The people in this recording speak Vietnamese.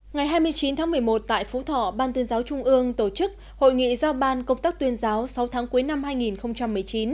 ngày hai mươi chín tháng một mươi một tại phú thọ ban tuyên giáo trung ương tổ chức hội nghị giao ban công tác tuyên giáo sáu tháng cuối năm hai nghìn một mươi chín